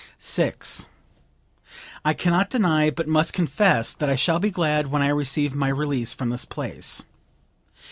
6. "I can not deny, but must confess that I shall be glad when I receive my release from this place.